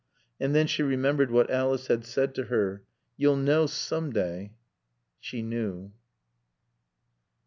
And then she remembered what Alice had said to her. "You'll know some day." She knew.